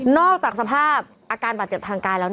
อกจากสภาพอาการบาดเจ็บทางกายแล้ว